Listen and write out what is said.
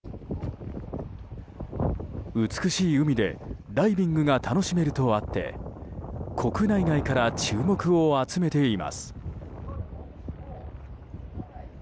美しい海でダイビングが楽しめるとあって国内外から注目を集めています。